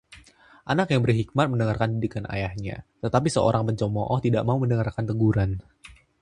Anak yang berhikmat mendengarkan didikan ayahnya, tetapi seorang pencemooh tidak mau mendengarkan teguran.